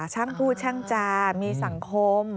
ช่างพูดช่างจามีสังคม